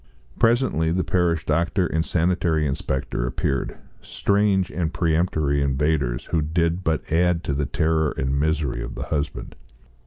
Presently parish doctor and sanitary inspector appeared, strange and peremptory invaders who did but add to the terror and misery of the husband.